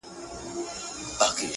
• او د هغه عالي مفاهیم ,